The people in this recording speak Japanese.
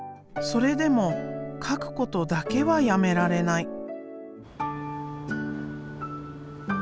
それでも描くことだけはやめられない。